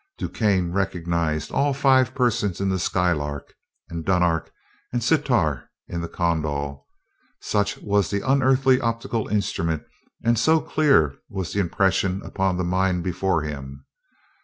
DuQuesne recognized all five persons in the Skylark and Dunark and Sitar in the Kondal; such was that unearthly optical instrument and so clear was the impression upon the mind before him.